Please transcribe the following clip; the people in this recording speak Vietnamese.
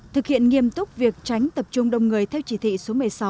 thực hiện nghiêm túc việc tránh tập trung đông người theo chỉ thị số một mươi sáu